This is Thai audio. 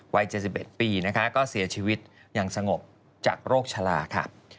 วัย๗๑ปีนะคะก็เสียชีวิตอย่างสงบจากโรคชะลาค่ะ